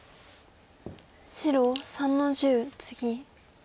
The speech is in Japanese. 白３の十ツギ。